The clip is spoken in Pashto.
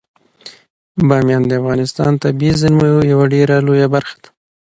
بامیان د افغانستان د طبیعي زیرمو یوه ډیره لویه برخه ده.